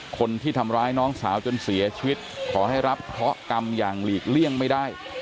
คนที่ทำร้ายน้องสาวจนเสียชีวิตขอให้รับเคราะห์กรรมอย่างหลีกเลี่ยงไม่ได้